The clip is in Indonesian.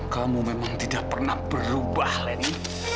kamu memang tidak pernah berubah lady